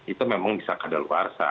itu memang bisa kadaluarsa